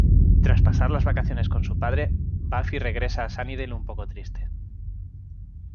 Tras pasar las vacaciones con su padre, Buffy regresa a Sunnydale un poco triste.